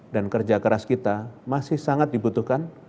dan kerja keras kita masih sangat dibutuhkan